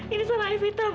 ini salah evita ma